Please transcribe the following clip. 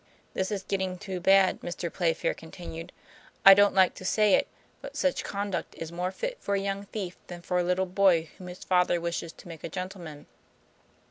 " This is getting too bad," Mr. Playfair continued. "I don't like to say it, but such conduct is more fit for a young thief than for a little boy whom his father wishes to make a gentleman."